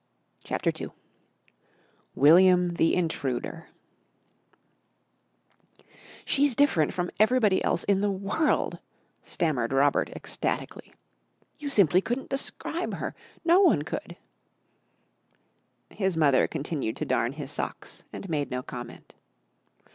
CHAPTER II WILLIAM THE INTRUDER "She's different from everybody else in the world," stammered Robert ecstatically. "You simply couldn't describe her. No one could!" His mother continued to darn his socks and made no comment.